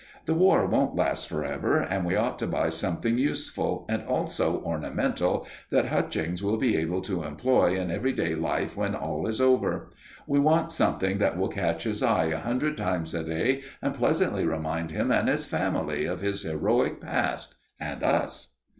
"The War won't last for ever, and we ought to buy something useful, and also ornamental, that Hutchings will be able to employ in everyday life when all is over. We want something that will catch his eye a hundred times a day and pleasantly remind him and his family of his heroic past and us."